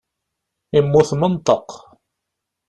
Yemmut menṭeq.